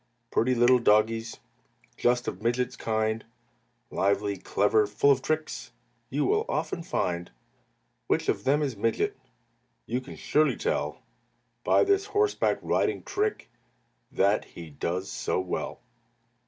Pretty little doggies Just of Midget's kind, Lively, clever, full of tricks, You will often find. Which of them is Midget You can surely tell By this horseback riding trick That he does so well.